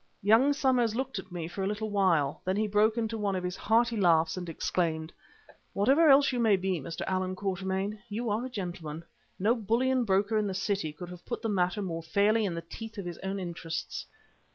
Young Somers looked at me for a little while, then he broke into one of his hearty laughs and exclaimed, "Whatever else you may be, Mr. Allan Quatermain, you are a gentleman. No bullion broker in the City could have put the matter more fairly in the teeth of his own interests."